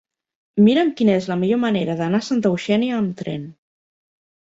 Mira'm quina és la millor manera d'anar a Santa Eugènia amb tren.